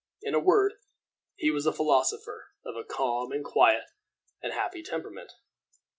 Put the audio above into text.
In a word, he was a philosopher, of a calm, and quiet, and happy temperament.